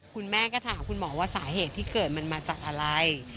คุณแม่ก็ถามคุณหมอว่าสาเหตุที่เกิดมันมาจากอะไร